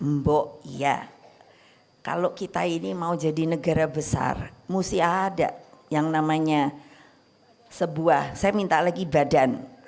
mbok iya kalau kita ini mau jadi negara besar mesti ada yang namanya sebuah saya minta lagi badan